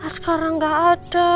sekarang gak ada